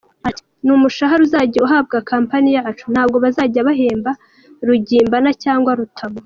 Ati “N’umushahara uzajya uhabwa company yacu, ntabwo bazajya bahemba Rugimbana cyangwa Rutamu.